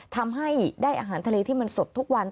ทำให้ได้อาหารทะเลที่มันสดทุกวัน